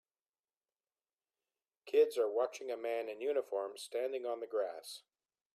Kids are watching a man in uniform standing on the grass